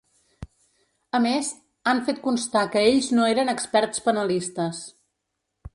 A més, han fet constar que ells no eren experts penalistes.